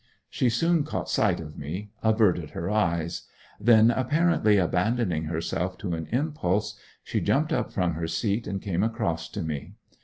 She soon caught sight of me; averted her eyes; then, apparently abandoning herself to an impulse, she jumped up from her seat and came across to me.